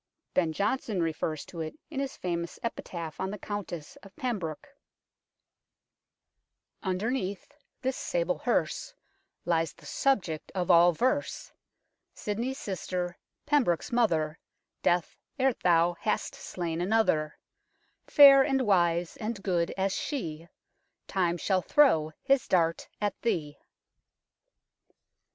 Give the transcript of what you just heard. Ben Jonson refers to it in his famous epitaph on the Countess of Pembroke " Underneath this sable herse Lies the subject of all verse, Sidney's sister Pembroke's mother Death, ere thou hast slain another Fair and wise and good as she Time shall throw his dart at thee."